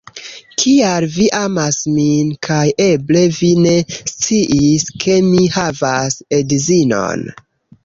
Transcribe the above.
Kial vi amas min kaj eble vi ne sciis ke mi havas edzinon